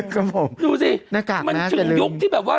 ครับผมดูสิมันถึงยุคที่แบบว่า